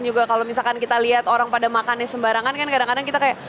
juga kalau misalkan kita lihat orang pada makannya sembarangan kan kadang kadang kita kayak